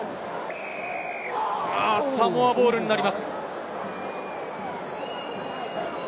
サモアボールになります。